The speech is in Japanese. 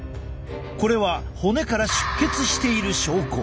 これは骨から出血している証拠。